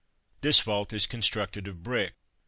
This vault is constructed of brick.